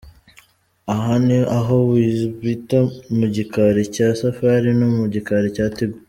Aha ni aho bita mu gikari cya Safari no mu gikari cya Tigo.